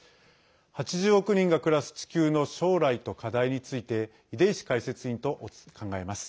８０億人が暮らす地球の将来と課題について出石解説委員と考えます。